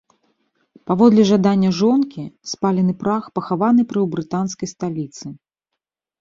Паводле жадання жонкі спалены прах пахаваны пры ў брытанскай сталіцы.